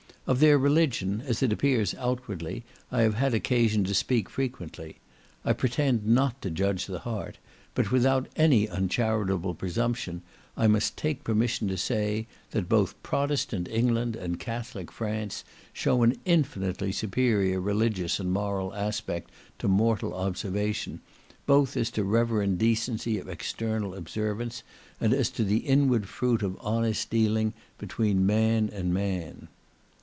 Of their religion, as it appears outwardly, I have had occasion to speak frequently; I pretend not to judge the heart, but, without any uncharitable presumption, I must take permission to say, that both Protestant England and Catholic France show an infinitely superior religious and moral aspect to mortal observation, both as to reverend decency of external observance, and as to the inward fruit of honest dealing between man and man.